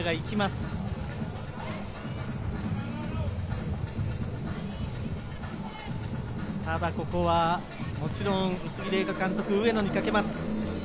ただここはもちろん宇津木麗華監督は上野にかけます。